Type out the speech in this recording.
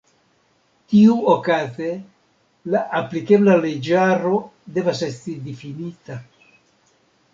Tiuokaze la aplikebla leĝaro devas esti difinita.